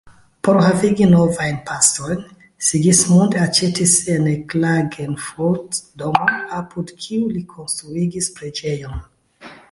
Por havigi novajn pastrojn Sigismund aĉetis en Klagenfurt domon apud kiu li konstruigis preĝejon.